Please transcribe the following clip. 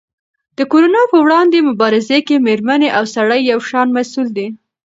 د کرونا په وړاندې مبارزه کې مېرمنې او سړي یو شان مسؤل دي.